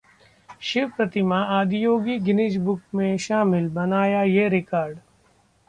शिव प्रतिमा 'Adiyogi' Guinness book में शामिल, बनाया ये रिकॉर्ड...